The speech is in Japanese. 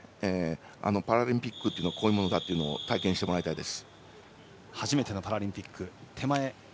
パラリンピックはこういうものだっていうのを体験してもらいたいです。